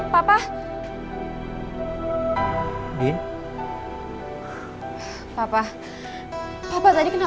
lalu tak ada yang bisa dit boardsuef